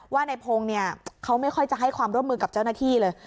ว่าในพงศ์เนี่ยเขาไม่ค่อยจะให้ความร่วมมือกับเจ้าหน้าที่เลย